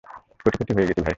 কোটিপতি হয়ে গেছি ভাই!